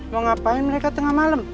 mau ngapain mereka tengah malam